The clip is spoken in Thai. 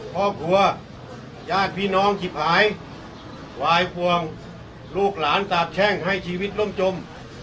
ครอบครัวญาติพี่น้องขิบหายวายพวงลูกหลานสาบแช่งให้ชีวิตล่มจม